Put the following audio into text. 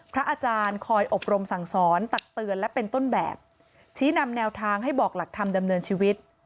พระอาจารย์คอยอบรมสั่งสอนตักเตือนและเป็นต้นแบบชี้นำแนวทางให้บอกหลักธรรมดำเนินชีวิต